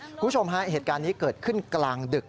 คุณผู้ชมฮะเหตุการณ์นี้เกิดขึ้นกลางดึก